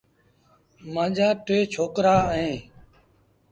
مآݩجآ ٽي ڇوڪرآ اوهيݩ ۔